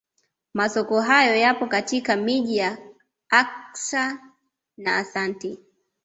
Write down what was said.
Masoko hayo yapo katika miji ya Accra na Asante